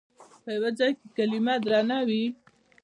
په یوه ځای کې کلمه درنه وي.